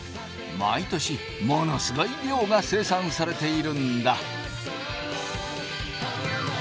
毎年ものすごい量が生産されているんだ。